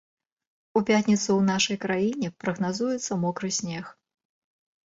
У пятніцу ў нашай краіне прагназуецца мокры снег.